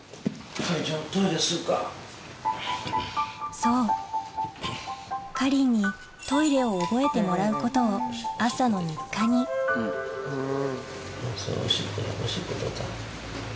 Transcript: そうかりんにトイレを覚えてもらうことを朝の日課にそうおしっこおしっこどうだ？